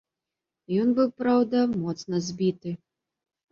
Ён быў, праўда, моцна збіты.